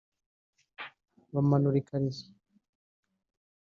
bamanura ikariso